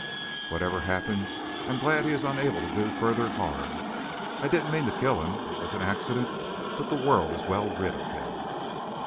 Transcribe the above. "Whatever happens, I'm glad he is unable to do further harm. I didn't mean to kill him it was an accident, but the world is well rid of him."